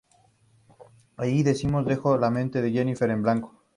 Allí, Deimos dejó la mente de Jennifer en blanco.